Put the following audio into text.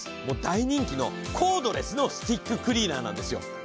もう大人気のコードレスのスティッククリーナーなんですよ。